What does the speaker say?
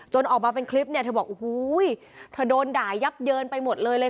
ออกมาเป็นคลิปเนี่ยเธอบอกโอ้โหเธอโดนด่ายับเยินไปหมดเลยเลย